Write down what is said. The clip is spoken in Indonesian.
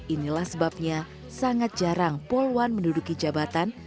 inilah sebabnya sangat jarang polwan menduduki jabatan